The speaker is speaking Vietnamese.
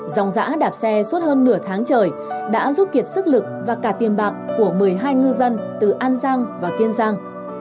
dòng giã đạp xe suốt hơn nửa tháng trời đã giúp kiệt sức lực và cả tiền bạc của một mươi hai ngư dân từ an giang và kiên giang